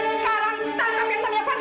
sekarang tangkap yang punya fadil pak